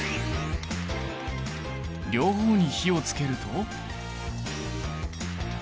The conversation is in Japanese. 両方に火をつけると。